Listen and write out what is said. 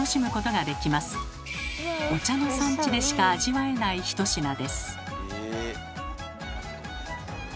お茶の産地でしか味わえない１品です。